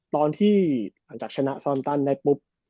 ตอนที่หลังจากชนะซาวนทันจะปุ๊บ